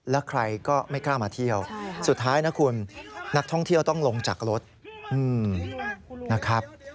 แล้วใครก็ไม่กล้ามาเที่ยวสุดท้ายนะคุณนักท่องเที่ยวต้องลงจากรถนะครับ